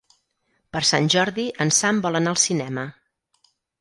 Per Sant Jordi en Sam vol anar al cinema.